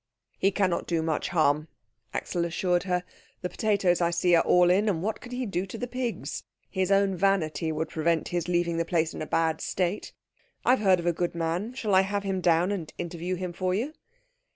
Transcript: "He cannot do much harm," Axel assured her; "the potatoes, I see, are all in, and what can he do to the pigs? His own vanity would prevent his leaving the place in a bad state. I have heard of a good man shall I have him down and interview him for you?"